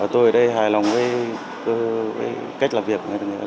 tôi ở đây hài lòng với cách làm việc